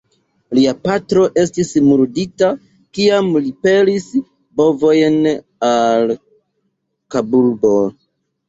Lia patro estis murdita, kiam li pelis bovojn al Kaburbo.